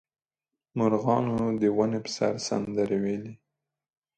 مرغانو د ونې په سر سندرې ویلې.